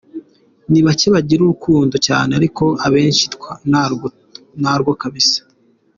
Ni bake bagira urukundo cyane ariko abenshi ntarwo kbs.